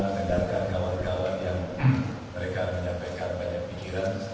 mendengarkan kawan kawan yang mereka menyampaikan banyak pikiran